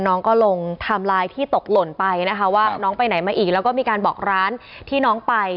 น้องก็ลงไทม์ไลน์ที่ตกหล่นไปนะคะว่าน้องไปไหนมาอีกแล้วก็มีการบอกร้านที่น้องไป